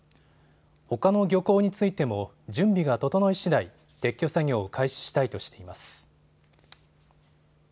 ほかの漁港についても準備が整いしだい撤去作業を開始したいとしています。